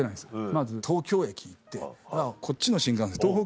まず東京駅行ってこっちの新幹線東北？